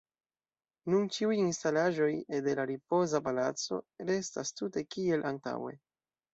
Nun ĉiuj instalaĵoj de la Ripoza Palaco restas tute kiel antaŭe.